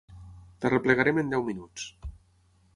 T'arreplegarem en deu minuts.